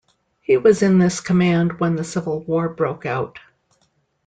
He was in this command when the Civil War broke out.